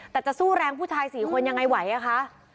แต่จะสู้แรงผู้ชาย๔คนยังไงไหวอะคะ